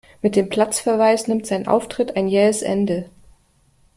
Mit dem Platzverweis nimmt sein Auftritt ein jähes Ende.